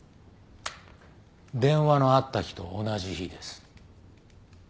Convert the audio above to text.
電話のあった日と同じ日です。